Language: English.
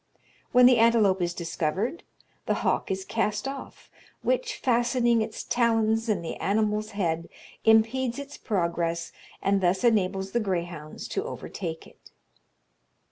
When the antelope is discovered, the hawk is cast off, which, fastening its talons in the animal's head, impedes its progress, and thus enables the greyhounds to overtake it.